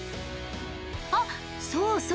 あっそうそう。